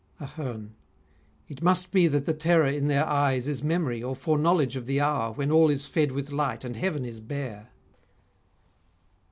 AHERNE It must be that the terror in their eyes Is memory or foreknowledge of the hour When all is fed with light and heaven is bare.